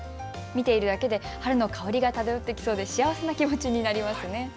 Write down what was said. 見ているだけで春の香りが漂ってきそうで幸せな気持ちになりますね。